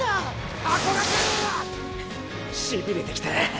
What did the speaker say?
しびれてきた